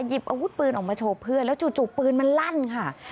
อาวุธปืนออกมาโชว์เพื่อนแล้วจู่ปืนมันลั่นค่ะ